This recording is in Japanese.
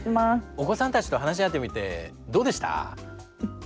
お子さんたちと話し合ってみてどうでした？